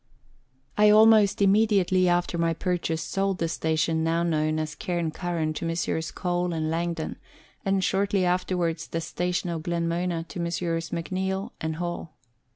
I almost immediately after my purchase sold the station now known as Cairn Curran to Messrs. Cole and Langdon, and shortly afterwards the station of Glenmona to Messrs. McNeil and Hall.